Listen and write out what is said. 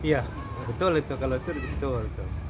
iya betul itu kalau itu betul